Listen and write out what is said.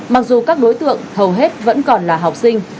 mặc dù các đối tượng hầu hết vẫn còn là học sinh